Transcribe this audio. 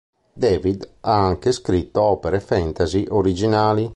David ha anche scritto opere fantasy originali.